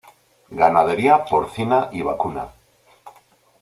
Ganadería porcina y vacuna.